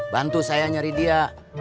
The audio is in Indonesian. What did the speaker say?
bantu saya nyari dia